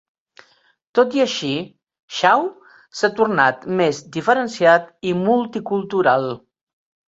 Tot i així, Shaw s'ha tornat més diferenciat i multicultural.